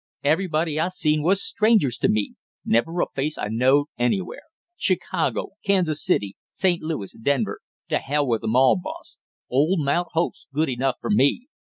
Everybody I seen was strangers to me, never a face I knowed anywhere; Chicago, Kansas City, St. Louis, Denver to hell with 'em all, boss; old Mount Hope's good enough for me!"